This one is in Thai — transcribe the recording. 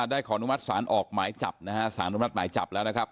ขออนุมัติศาลออกหมายจับนะฮะสารอนุมัติหมายจับแล้วนะครับ